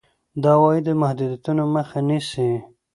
د عوایدو د محدودېدو مخه نیسي.